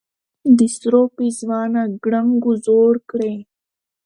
د سرو پېزوانه ګړنګو زوړ کړې